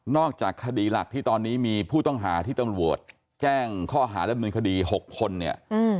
จากคดีหลักที่ตอนนี้มีผู้ต้องหาที่ตำรวจแจ้งข้อหาดำเนินคดี๖คนเนี่ย